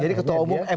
jadi ketua umum